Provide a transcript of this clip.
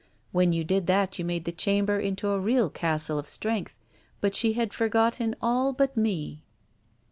When you did that you made the chamber into a real castle of strength, but she had forgotten all but me.